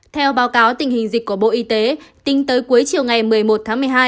theo báo cáo tình hình dịch của bộ y tế tính tới cuối chiều ngày một mươi một tháng một mươi hai